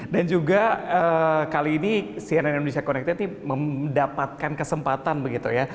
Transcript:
dan juga kali ini cnn indonesia connected mendapatkan kesempatan begitu ya